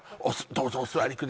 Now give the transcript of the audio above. どうぞお座りください